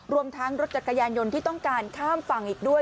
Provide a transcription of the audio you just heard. รวมทั้งรถจักรยานยนต์ที่ต้องการข้ามฝั่งอีกด้วย